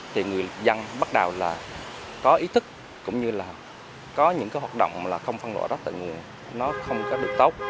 thì người dân bắt đầu là có ý thức cũng như là có những hoạt động không phân loại rác tại nguồn nó không có được tốc